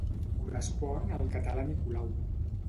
Correspon al català Nicolau.